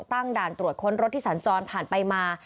ตั้งด่านตรวจค้นรถที่สัญจรผ่านไปมา